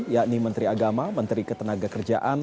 yakni menteri agama menteri ketenaga kerjaan